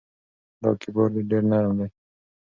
دا کیبورد ډېر نرم دی.